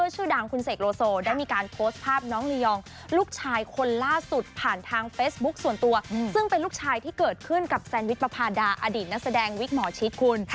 ซึ่งเป็นลูกชายที่เกิดขึ้นกับแซนวิสปภาดาอดีตนักแสดงวิกหมอชิดคุณ